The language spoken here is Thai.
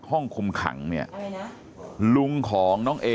ลูกสาวหลายครั้งแล้วว่าไม่ได้คุยกับแจ๊บเลยลองฟังนะคะ